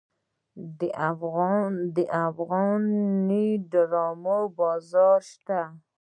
د افغاني ډرامو بازار شته؟